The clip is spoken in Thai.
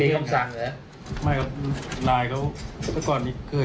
มีคำสั่งเหรอไม่ครับนายเขาแล้วก่อนนี้เคย